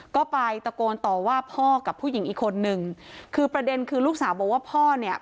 ก็ไปตะโกนต่อว่าพ่อกับผู้หญิงอีกคนนึงคือประเด็นคือลูกสาวบอกว่าพ่อเนี่ย